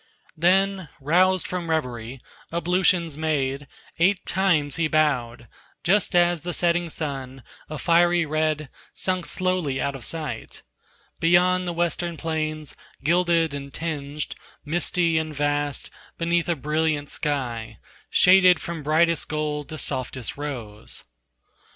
Then roused from revery, ablutions made, Eight times he bowed, just as the setting sun, A fiery red, sunk slowly out of sight Beyond the western plains, gilded and tinged, Misty and vast, beneath a brilliant sky, Shaded from brightest gold to softest rose.